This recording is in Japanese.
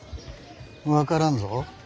分からんぞ。